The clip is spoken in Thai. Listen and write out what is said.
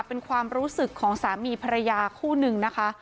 เป็นความรู้สึกของสามีภรรยาคู่นึงนะคะ